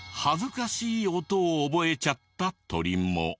恥ずかしい音を覚えちゃった鳥も。